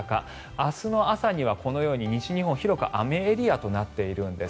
明日の朝にはこのように西日本広く雨エリアとなっているんです。